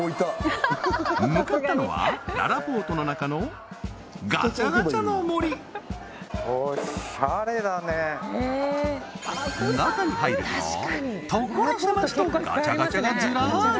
向かったのはららぽーとの中のガチャガチャの森中に入ると所狭しとガチャガチャがずらり！